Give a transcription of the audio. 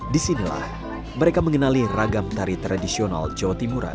disinilah mereka mengenali ragam tari tradisional jawa timuran